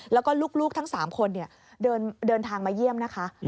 แล้วก็ลูกทั้ง๓คนเดินทางมาเยี่ยมนะคะ